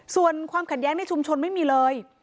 ส่วนความขัดแย้งในชุมชนไม่มีเลย